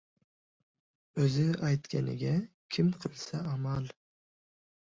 O‘zi aytganiga kim qilsa amal